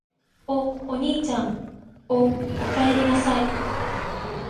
お、おにいちゃん・・・お、おかえりなさい・・・